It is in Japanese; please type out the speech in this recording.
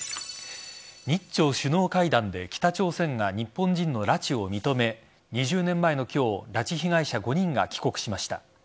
日朝首脳会談で北朝鮮が日本人の拉致を認め２０年前の今日拉致被害者５人が帰国しました。